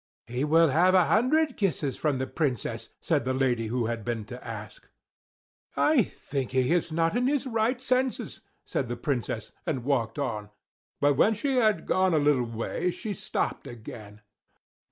"He will have a hundred kisses from the Princess!" said the lady who had been to ask. "I think he is not in his right senses!" said the Princess, and walked on, but when she had gone a little way, she stopped again.